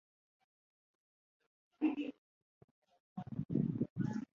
Mwana wattu oyinza okusanga nga nziruse.